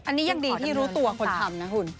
อันนี้ยังดีที่รู้ตัวคนทำนะคุณ